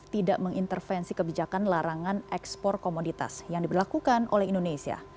tidak mengintervensi kebijakan larangan ekspor komoditas yang diberlakukan oleh indonesia